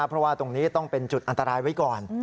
เพราะว่าตรงนี้ต้องเป็นจุดอันตรายไว้ก่อน